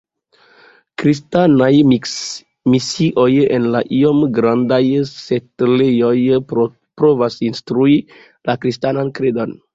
Kristanaj misioj en la iom grandaj setlejoj provas instrui la kristanan kredon.